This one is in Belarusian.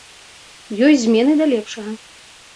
Ёсць змены да лепшага.